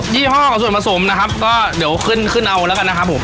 ี่ห้อกับส่วนผสมนะครับก็เดี๋ยวขึ้นขึ้นเอาแล้วกันนะครับผม